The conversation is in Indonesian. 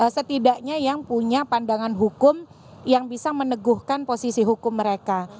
setidaknya yang punya pandangan hukum yang bisa meneguhkan posisi hukum mereka